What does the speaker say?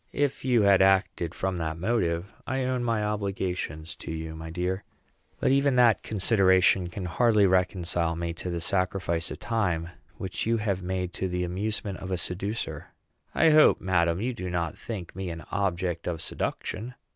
"If you had acted from that motive, I own my obligations to you, my dear; but even that consideration can hardly reconcile me to the sacrifice of time which you have made to the amusement of a seducer." "I hope, madam, you do not think me an object of seduction."